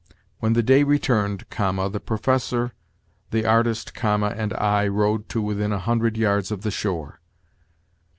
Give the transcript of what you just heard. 'When the day returned[,] the professor, the artist[,] and I rowed to within a hundred yards of the shore.'